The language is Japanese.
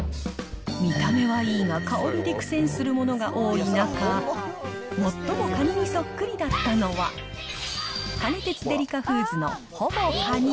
見た目はいいが、香りで苦戦するものが多い中、最もカニにそっくりだったのは、カネテツデリカフーズのほぼカニ。